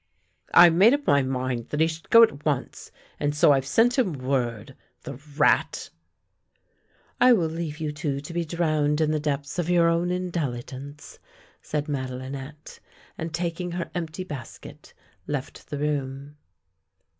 " I made up my mind that he should go at once, and so I've sent him word — the rat! "" I will leave you two to be drowned in the depths of your own intelligence," said Madelinette; and taking her empty basket left the room.